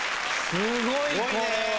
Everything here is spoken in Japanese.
すごい、これは。